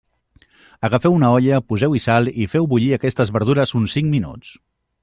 Agafeu una olla, poseu-hi sal i feu bullir aquestes verdures uns cinc minuts.